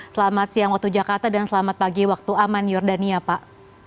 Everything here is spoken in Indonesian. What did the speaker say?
selamat siang waktu jakarta dan selamat pagi waktu aman jordania pak